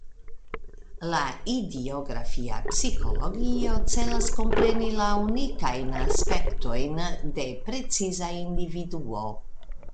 La idiografia psikologio celas kompreni la unikajn aspektojn de preciza individuo.